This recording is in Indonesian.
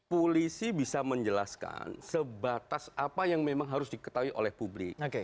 polisi bisa menjelaskan sebatas apa yang memang harus diketahui oleh publik